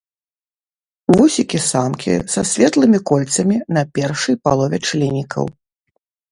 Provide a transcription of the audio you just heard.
Вусікі самкі са светлымі кольцамі на першай палове членікаў.